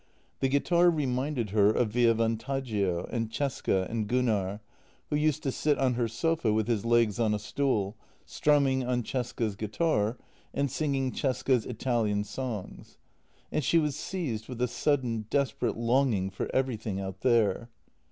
The guitar reminded her of Via Vantaggio, and Cesca, and Gunnar, who used to sit on her sofa with his legs on a stool, JENNY H3 strumming on Cesca's guitar and singing Cesca's Italian songs. And she was seized with a sudden, desperate longing for every thing out there.